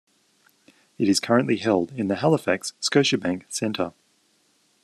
It is currently held in the Halifax Scotiabank Centre.